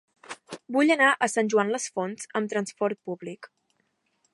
Vull anar a Sant Joan les Fonts amb trasport públic.